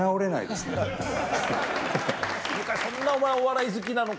そんなお前お笑い好きなのか。